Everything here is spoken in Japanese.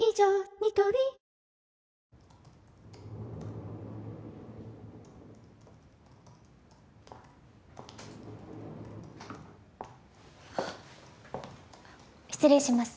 ニトリ失礼します。